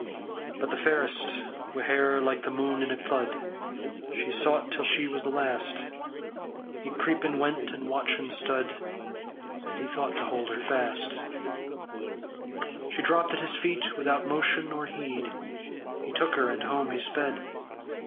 But the fairest, wi' hair like the mune in a clud, She sought till she was the last. He creepin' went and watchin' stud, And he thought to hold her fast. She dropped at his feet without motion or heed; He took her, and home he sped.